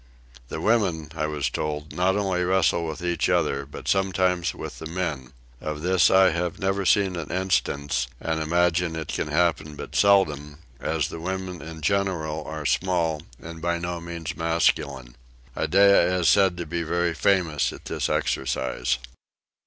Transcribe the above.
The women, I was told, not only wrestle with each other but sometimes with the men; of this I have never seen an instance and imagine it can happen but seldom, as the women in general are small and by no means masculine. Iddeah is said to be very famous at this exercise.